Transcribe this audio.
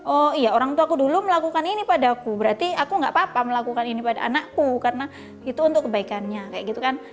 oh iya orang tua aku dulu melakukan ini pada aku berarti aku gak apa apa melakukan ini pada anakku karena itu untuk kebaikannya kayak gitu kan